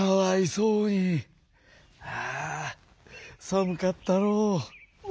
さむかったろう」。